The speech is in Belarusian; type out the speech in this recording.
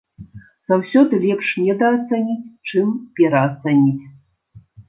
Заўсёды лепш недаацаніць, чым пераацаніць.